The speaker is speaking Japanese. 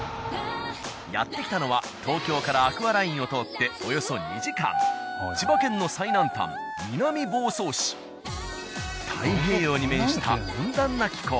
やって来たのは東京からアクアラインを通っておよそ２時間千葉県の最南端太平洋に面した温暖な気候。